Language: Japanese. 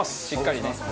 しっかりね。